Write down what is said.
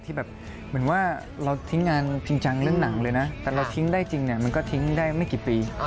ที่แบบเหมือนว่าเราทิ้งงานจริงจังเรื่องหนังเลยนะแต่เราทิ้งได้จริงเนี่ยมันก็ทิ้งได้ไม่กี่ปี